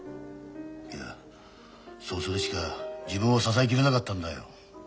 いやそうするしか自分を支え切れなかったんだよ。